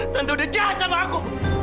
tante posible jahat sama aku